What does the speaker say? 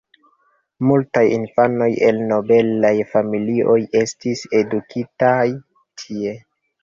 Multaj infanoj el nobelaj familioj estis edukitaj tie.